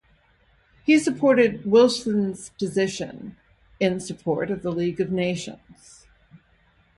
He Supported Wilson's position in support of the league of nations.